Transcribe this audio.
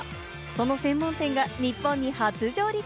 その専門店が日本に初上陸！